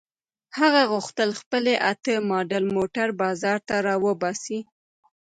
هغه غوښتل خپل وي اته ماډل موټر بازار ته را وباسي.